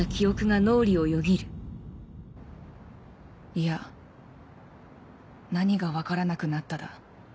いや何が分からなくなっただ